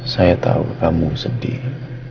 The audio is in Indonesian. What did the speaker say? saya tahu kamu sedih